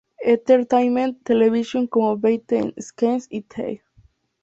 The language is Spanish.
Entertainment Television como Behind the scenes y The E!